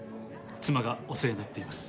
妻がお世話になっています。